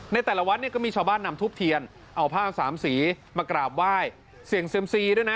ในแต่ละวัดเนี่ยก็มีชาวบ้านนำทุบเทียนเอาผ้าสามสีมากราบไหว้เสี่ยงเซียมซีด้วยนะ